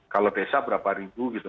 kalau desa berapa ribu gitu